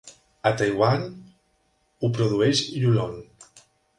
A Taiwan ho produeix Yulon.